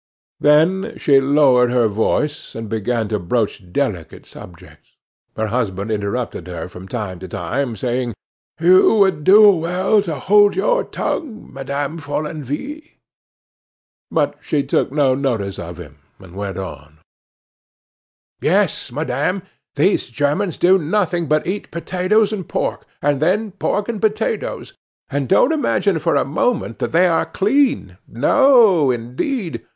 Then she lowered her voice, and began to broach delicate subjects. Her husband interrupted her from time to time, saying: "You would do well to hold your tongue, Madame Follenvie." But she took no notice of him, and went on: "Yes, madame, these Germans do nothing but eat potatoes and pork, and then pork and potatoes. And don't imagine for a moment that they are clean! No, indeed!